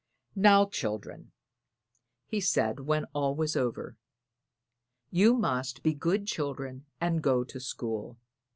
"Now, children," he said when all was over, "you must be good children and go to school.